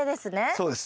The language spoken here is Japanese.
そうです。